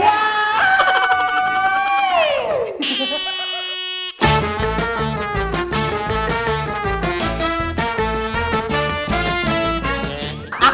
ฉันเอง